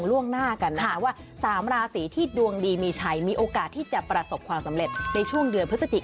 พฤติกายนราชินั้นที่จะดวงดี